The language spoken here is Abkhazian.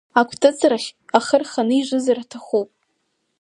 Акәтыҵрахь ахы рханы ижызар аҭахуп.